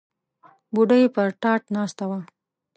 بوډۍ پر تاټ ناسته وه.